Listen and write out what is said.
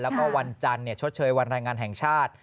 แล้วก็วันจันทร์ชดเชยวันแรงงานแห่งชาติ